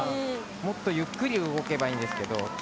もっとゆっくり動けばいいんですけど。